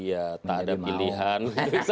ya tak ada pilihan